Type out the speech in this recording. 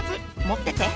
持ってて。